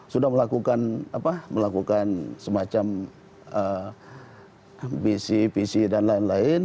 sudah melakukan semacam pc dan lain lain